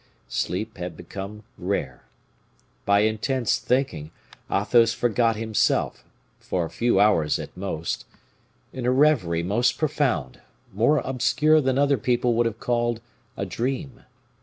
Sleep had become rare. By intense thinking, Athos forgot himself, for a few hours at most, in a reverie most profound, more obscure than other people would have called a dream.